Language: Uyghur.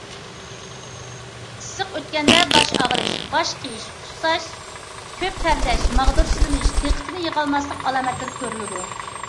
ئىسسىق ئۆتكەندە باش ئاغرىش، باش قېيىش، ئۇسساش، كۆپ تەرلەش، ماغدۇرسىزلىنىش، دىققىتىنى يىغالماسلىق ئالامەتلىرى كۆرۈلىدۇ.